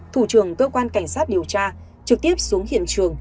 thủ trưởng cơ quan cảnh sát điều tra trực tiếp xuống hiện trường